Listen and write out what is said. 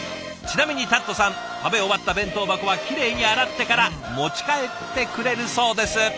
ちなみにタッドさん食べ終わった弁当箱はきれいに洗ってから持ち帰ってくれるそうです。